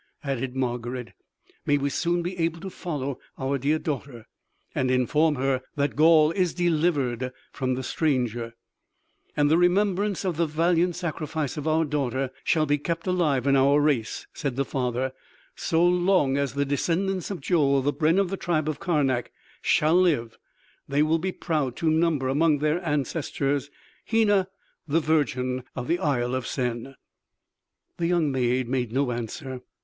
added Margarid; "May we soon be able to follow our dear daughter and inform her that Gaul is delivered from the stranger." "And the remembrance of the valiant sacrifice of our daughter shall be kept alive in our race," said the father; "so long as the descendants of Joel, the brenn of the tribe of Karnak, shall live they will be proud to number among their ancestors Hena, the virgin of the Isle of Sen." The young maid made no answer.